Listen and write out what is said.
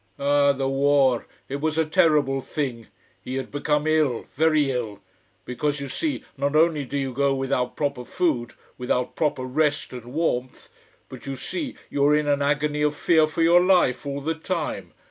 Ah, the war it was a terrible thing. He had become ill very ill. Because, you see, not only do you go without proper food, without proper rest and warmth, but, you see, you are in an agony of fear for your life all the time.